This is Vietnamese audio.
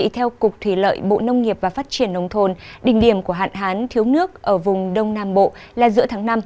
theo cục thủy lợi bộ nông nghiệp và phát triển nông thôn đỉnh điểm của hạn hán thiếu nước ở vùng đông nam bộ là giữa tháng năm